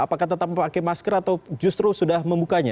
apakah tetap memakai masker atau justru sudah membukanya